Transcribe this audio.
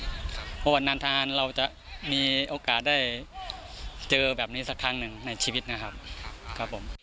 เพราะวันนั้นทหารเราจะมีโอกาสได้เจอแบบนี้สักครั้งหนึ่งในชีวิตนะครับครับผม